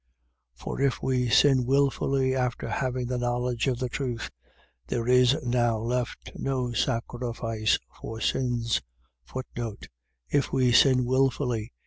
10:26. For if we sin wilfully after having the knowledge of the truth, there is now left no sacrifice for sins: If we sin wilfully.